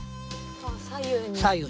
あ左右に。